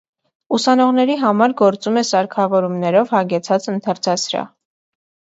Ուսանողների համար գործում է սարքավորումներով հագեցած ընթերցասրահ։